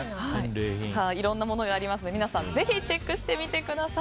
いろいろなものがありますので皆さんぜひチェックしてみてください。